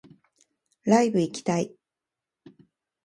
ライブ行きたい